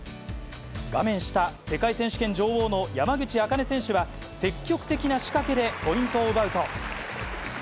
画面下、世界選手権女王の山口茜選手は、積極的な仕掛けでポイントを奪うと。